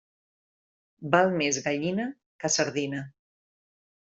Val més gallina que sardina.